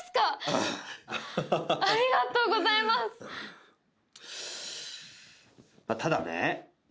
ああありがとうございますただね